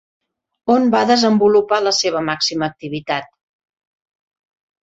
On va desenvolupar la seva màxima activitat?